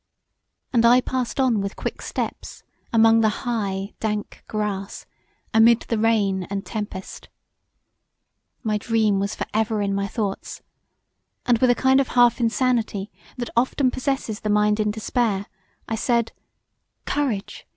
And I passed on with quick steps among the high, dank grass amid the rain and tempest. My dream was for ever in my thoughts, and with a kind of half insanity that often possesses the mind in despair, I said aloud; "Courage!